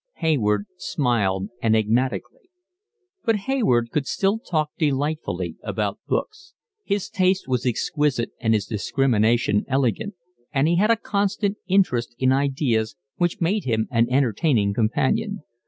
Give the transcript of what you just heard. Hayward smiled enigmatically. But Hayward could still talk delightfully about books; his taste was exquisite and his discrimination elegant; and he had a constant interest in ideas, which made him an entertaining companion.